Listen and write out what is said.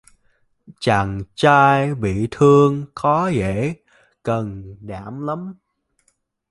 Chàng trai bị thương có vẻ can đảm lắm